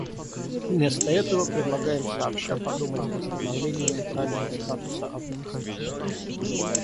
Вместо этого, предлагаем сообща подумать о восстановлении нейтрального статуса Афганистана.